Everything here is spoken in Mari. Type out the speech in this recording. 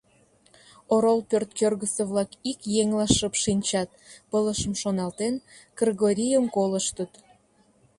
Орол пӧрткӧргысӧ-влак ик еҥла шып шинчат, пылышым шоналтен, Кыргорийым колыштыт.